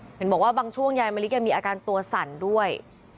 เห็นบอกว่าบางช่วงยายมะลิแกมีอาการตัวสั่นด้วย